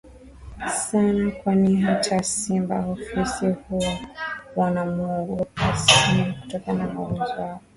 sana kwani hata simba au fisi huwa wana muogopa sana kutokana na uwezo wa